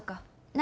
何？